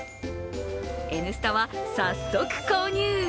「Ｎスタ」は早速購入。